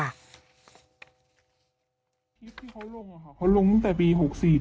พิสิทธิ์ที่เค้าลงอ่ะค่ะเค้าลงตั้งแต่ปี๖๔๖๕ที